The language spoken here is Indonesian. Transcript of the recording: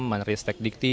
menteri stek dikti